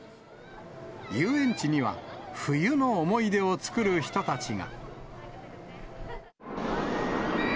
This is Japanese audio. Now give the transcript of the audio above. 遊園地には、冬の思い出を作る人たちが。